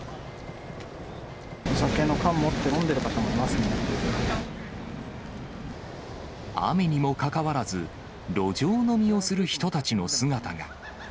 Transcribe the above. お酒の缶を持って、飲んでる雨にもかかわらず、路上飲みをする人たちの姿が。